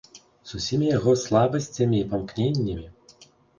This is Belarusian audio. З усімі яго слабасцямі і памкненнямі.